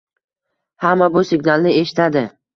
Hamma bu signalni eshitadi